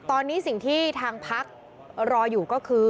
ตอนนี้สิ่งที่ทางพักรออยู่ก็คือ